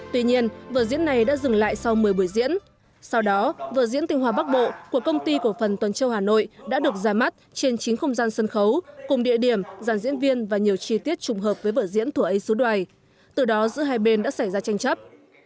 tuy nhiên vợ diễn này đã dừng lại sau một mươi buổi diễn sau đó vợ diễn tinh hoa bắc bộ của công ty cổ phần tuần châu hà nội đã được ra mắt trên chính không gian sân khấu cùng địa điểm giàn diễn viên và nhiều chi tiết trùng hợp với vợ diễn thùa ấy sứ đoài từ đó giữa hai bên đã xảy ra tranh chấp